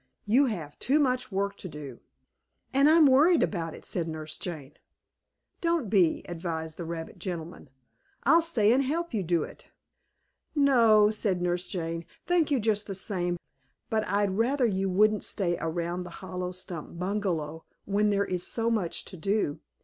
You have too much work to do." "And I'm worried about it," said Nurse Jane. "Don't be," advised the rabbit gentleman. "I'll stay and help you do it." "No," said Nurse Jane. "Thank you just the same, but I'd rather you wouldn't stay around the hollow stump bungalow when there is so much to do.